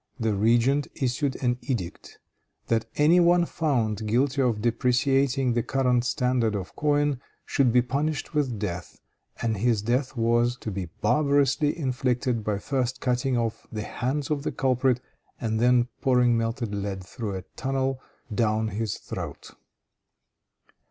The regent issued an edict, that any one found guilty of depreciating the current standard of coin, should be punished with death, and this death was to be barbarously inflicted by first cutting off the hands of the culprit, and then pouring melted lead through a tunnel down his throat.